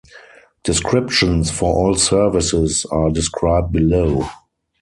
Descriptions for all services are described below.